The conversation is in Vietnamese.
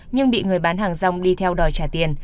nhưng bị người bán hàng rong đi theo đòi trả tiền